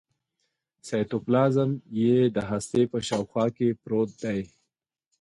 سایتوپلازم یې د هستې په شاوخوا کې پروت دی.